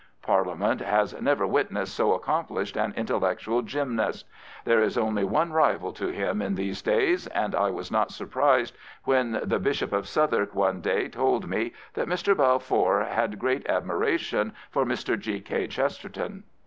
Parliament has never witnessed so accomplished an intellectual gymnast. There is only one rival to him in these days, and I was not surprised when the Bishop of Southwark one day told me that Mr. Balfour had great admiration for Mr. G. K. Chesterton.